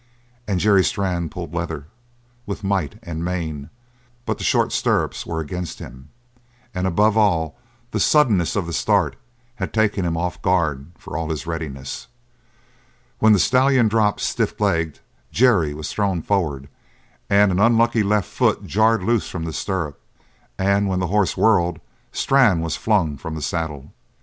And Jerry Strann pulled leather with might and main but the short stirrups were against him, and above all the suddenness of the start had taken him off guard for all his readiness. When the stallion dropped stiff legged Jerry was thrown forward and an unlucky left foot jarred loose from the stirrup; and when the horse whirled Strann was flung from the saddle.